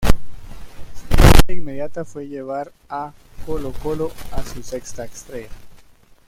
Su meta inmediata fue llevar a Colo-Colo a su sexta estrella.